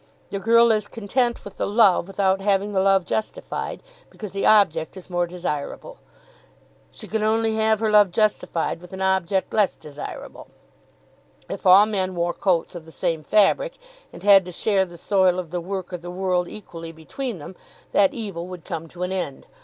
The girl is content with the love without having the love justified, because the object is more desirable. She can only have her love justified with an object less desirable. If all men wore coats of the same fabric, and had to share the soil of the work of the world equally between them, that evil would come to an end.